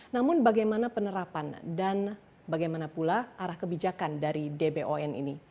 namun bagaimana penerapan dan bagaimana pula arah kebijakan dari dbon ini